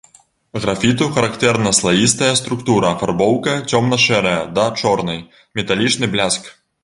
Графіту характэрна слаістая структура, афарбоўка цёмна-шэрая да чорнай, металічны бляск.